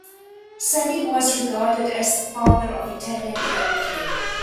Savi was regarded as the father of Italian geology.